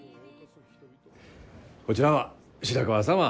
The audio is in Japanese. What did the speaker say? こちらは白川様。